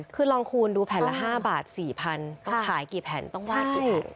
คือลองคูณดูแผ่นละ๕บาท๔๐๐๐ต้องขายกี่แผ่นต้องวาดกี่แผ่น